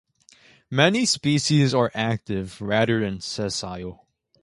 Many species are active rather than sessile.